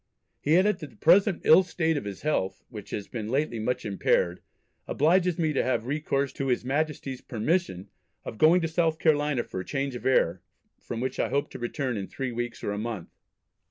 He added that the present ill state of his health, "which has been lately much impaired, obliges me to have recourse to his Majesty's permission of going to South Carolina for change of air, from which I hope to return in three weeks or a month."